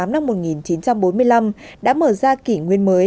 năm một nghìn chín trăm bốn mươi năm đã mở ra kỷ nguyên mới